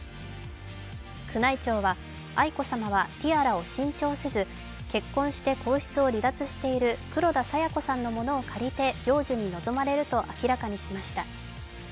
宮内庁は愛子さまはティアラを新調せず結婚して皇室を離脱している黒田清子さんのものを借りて行事に臨まれると明らかにしました。